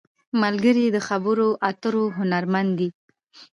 ملګری د خبرو اترو هنرمند دی